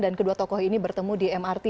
dan kedua tokoh ini bertemu di mrt